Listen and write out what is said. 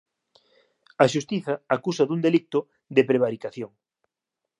A Xustiza acúsao dun delicto de prevaricación